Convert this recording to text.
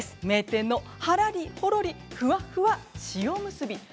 名店のはらりほろりふわっふわ塩むすび。